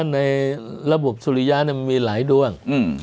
ในระบบสุริยะมันมีหลายดวง